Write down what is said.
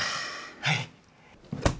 はい。